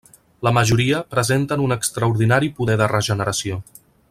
La majoria presenten un extraordinari poder de regeneració.